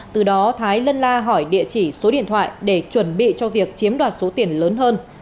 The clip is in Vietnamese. từ đó thái lân la hỏi địa chỉ số điện thoại để chuẩn bị cho việc chiếm đoạt số tiền lớn hơn